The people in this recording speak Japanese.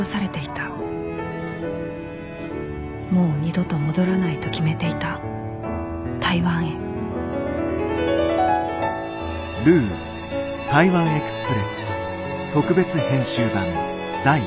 もう二度と戻らないと決めていた台湾へ多田春香です。